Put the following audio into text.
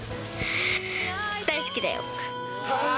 大好きだよ。